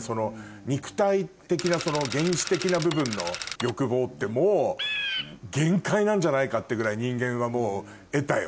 肉体的な原始的な部分の欲望ってもう限界なんじゃないかってぐらい人間はもう得たよ。